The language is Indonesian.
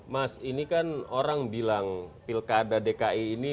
mas ini kan orang bilang pilkada dki ini